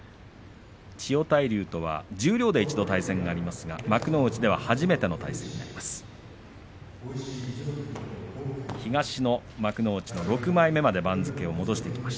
千代大龍とは、十両で一度対戦がありますが幕内では初めての対戦になります。